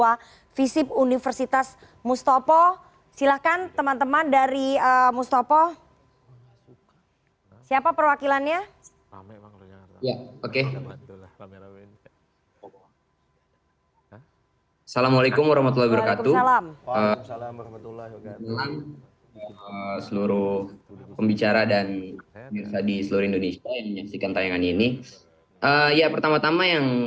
apa pak sudirman